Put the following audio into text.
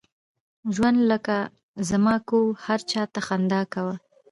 ژوند لکه زما کوه ، هر چاته خنده کوه!